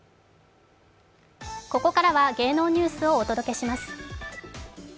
ここからは芸能ニュースをお届けします。